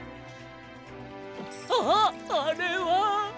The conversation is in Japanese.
あっあれは。